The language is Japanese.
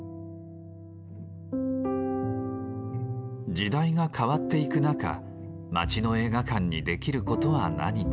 時代が変わっていく中街の映画館にできることは何か。